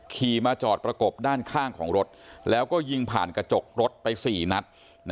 ขี่มาจอดประกบด้านข้างของรถแล้วก็ยิงผ่านกระจกรถไป๔นัด